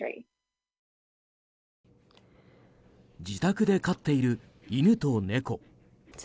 自宅で飼っている犬と猫。